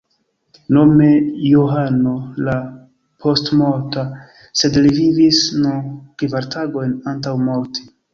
Nome Johano la Postmorta, sed li vivis nur kvar tagojn antaŭ morti.